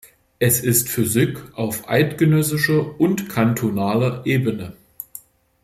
Es ist Physik auf eidgenössischer und kantonaler Ebene.